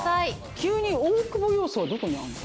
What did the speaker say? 急に大久保要素はどこにあるの？